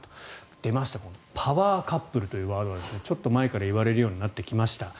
出ましたパワーカップルというワードがちょっと前から言われるようになってきました。